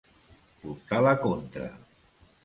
Portar la contra.